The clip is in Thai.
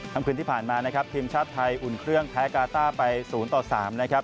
คำคืนที่ผ่านมานะครับทีมชาติไทยอุ่นเครื่องแพ้กาต้าไป๐ต่อ๓นะครับ